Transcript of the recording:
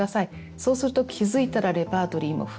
そうすると気付いたらレパートリーも増えて。